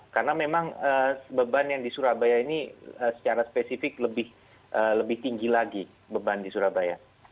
karena memang beban yang di surabaya ini secara spesifik lebih tinggi lagi beban di surabaya